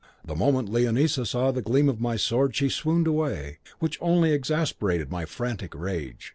The moment Leonisa saw the gleam of my sword she swooned away, which only exasperated my frantic rage.